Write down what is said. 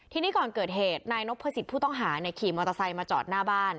ทีนี้ก่อนเกิดเหตุนายนพจิตผู้ต้องหาขี่มอเตอร์ไซค์มาจอดหน้าบ้าน